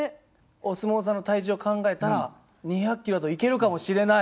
お相撲さんの体重を考えたら２００キロでいけるかもしれない？